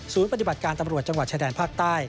ปฏิบัติการตำรวจจังหวัดชายแดนภาคใต้